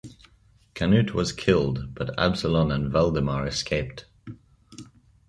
Canute was killed, but Absalon and Valdemar escaped.